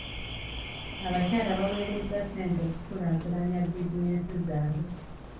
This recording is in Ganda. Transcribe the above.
Abakyala baweereddwa ssente okukulaakulanya bizinensi zaabwe.